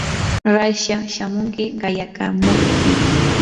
raslla shamunki qayakamuptii.